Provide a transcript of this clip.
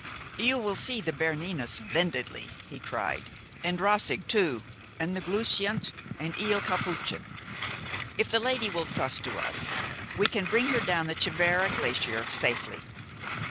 "You will see the Bernina splendidly," he cried, "and Roseg too, and the Glüschaint and Il Chapütschin. If the lady will trust to us, we can bring her down the Tschierva glacier safely.